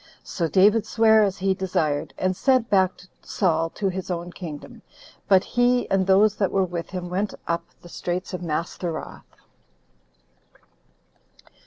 So David sware as he desired, and sent back Saul to his own kingdom; but he, and those that were with him, went up the Straits of Mastheroth.